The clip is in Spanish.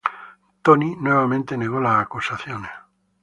Tony nuevamente negó las acusaciones.